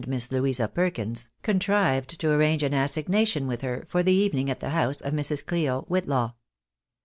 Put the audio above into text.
Miss Louisa Perkins, contrived to arrange an assignation with her for the evening at the house of Mrs. CUo Whitlaw.